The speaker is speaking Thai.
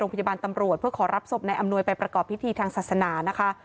พยาบาลตำรวจเพื่อขอรับศพนายอำนวยไปประกอบพิธีทางศาสนานะคะ